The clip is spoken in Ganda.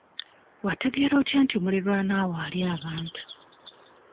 Wategeera otya nti muliraanwa wo alya abantu?